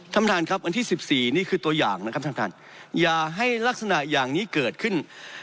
ท่านประธานครับวันที่๑๔นี่คือตัวอย่างนะครับท่านท่านอย่าให้ลักษณะอย่างนี้เกิดขึ้น